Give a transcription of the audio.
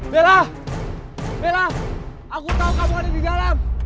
bella bella aku tahu kamu ada di dalam